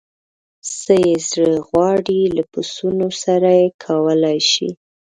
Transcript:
څه یې زړه غواړي له پسونو سره یې کولای شي.